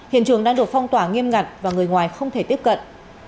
hiện trường đang được phong tỏa nghiêm ngặt và người ngoài không thể tiếp cận